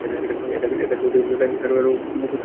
এ কাজ করতে গিয়ে কারো কোনো ক্ষতি হলে আইনের চোখে অপরাধ না।